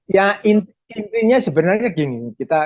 ya intinya sebenarnya gini